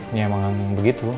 ini emang begitu